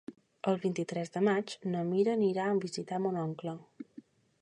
El vint-i-tres de maig na Mira anirà a visitar mon oncle.